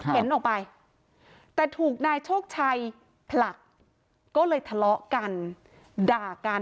เห็นออกไปแต่ถูกนายโชคชัยผลักก็เลยทะเลาะกันด่ากัน